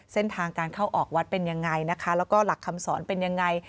เส้นทางการเข้าออกวัดเป็นยังไงนะคะแล้วก็หลักคำสอนเป็นยังไง